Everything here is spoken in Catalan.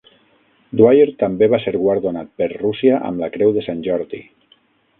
Dwyer també va ser guardonat per Rússia amb la Creu de Sant Jordi.